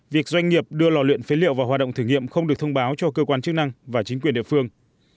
việc doanh nghiệp đưa lò luyện phế liệu vào hoạt động thử nghiệm không được thông báo cho cơ quan chức năng và chính quyền địa phương